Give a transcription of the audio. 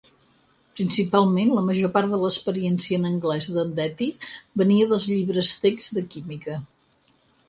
Principalment, la major part de l'experiència en anglès d'Ondetti venia dels llibres text de química.